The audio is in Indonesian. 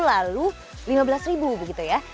lalu lima belas ribu begitu ya